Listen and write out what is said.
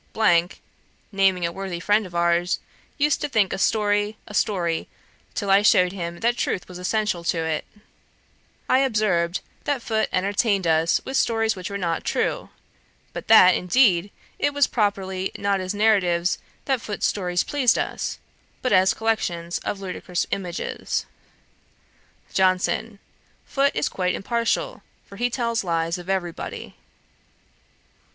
(naming a worthy friend of ours,) used to think a story, a story, till I shewed him that truth was essential to it.' I observed, that Foote entertained us with stories which were not true; but that, indeed, it was properly not as narratives that Foote's stories pleased us, but as collections of ludicrous images. JOHNSON. 'Foote is quite impartial, for he tells lies of every body.'